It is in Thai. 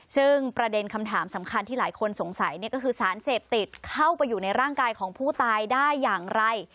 ซึ่งประเด็นคำถามสำคัญที่หลายคนสงสัยก็คือสารเสพติดเข้าไปอยู่ในร่างกายของผู้ตายได้อย่างไร